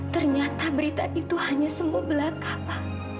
ternyata berita itu hanya sembuh belaka pa